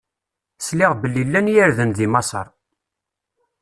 Sliɣ belli llan yirden di Maṣer.